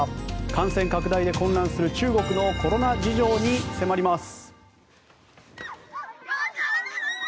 感染拡大で混乱する中国のコロナ事情に迫ります。